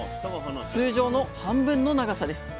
通常の半分の長さです。